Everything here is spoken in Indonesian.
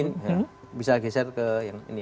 ini bisa geser ke yang ini